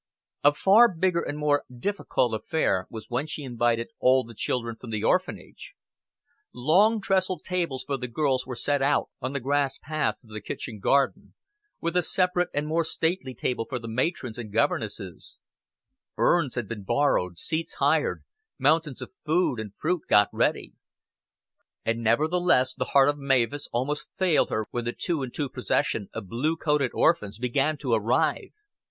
A far bigger and more difficult affair was when she invited all the children from the Orphanage. Long trestle tables for the girls were set out on the grass paths of the kitchen garden, with a separate and more stately table for the matrons and governesses; urns had been borrowed, seats hired, mountains of food and fruit got ready; and nevertheless the heart of Mavis almost failed her when the two and two procession of blue coated orphans began to arrive.